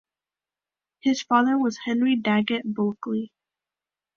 His father was Henry Daggett Bulkley.